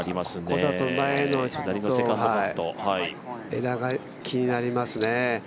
ここだと前の枝が気になりますね。